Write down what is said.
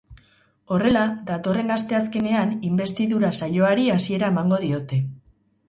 Horrela, datorren asteazkenean inbestidura saioari hasiera emango diote.